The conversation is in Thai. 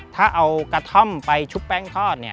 ถ้าเอากระท่อมไปชุบแป้งทอด